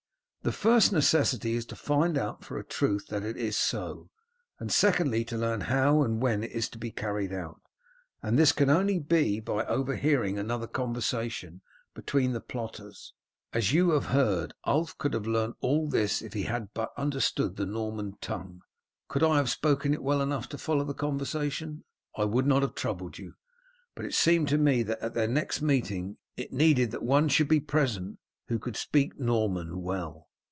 The first necessity is to find out for a truth that it is so, and secondly to learn how and when it is to be carried out; and this can only be by overhearing another conversation between the plotters. As you have heard, Ulf could have learnt all this if he had but understood the Norman tongue. Could I have spoken it well enough to follow the conversation I would not have troubled you, but it seemed to me that at their next meeting it needed that one should be present who could speak Norman well.